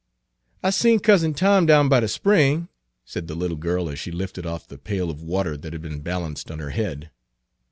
"I seen cousin Tom down by de spring," said the little girl, as she lifted off the pail Page 297 of water that had been balanced on her head.